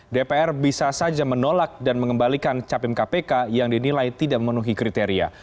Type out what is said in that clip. dpr bisa saja menolak dan mengembalikan capim kpk yang dinilai tidak memenuhi kriteria